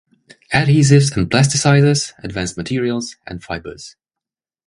Adhesives and Plasticizers, Advanced Materials and Fibers.